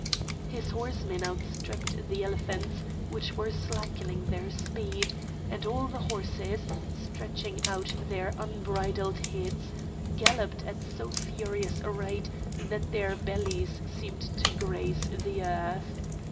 His horsemen outstripped the elephants, which were slackening their speed; and all the horses, stretching out their unbridled heads, galloped at so furious a rate that their bellies seemed to graze the earth.